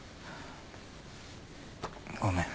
ごめん。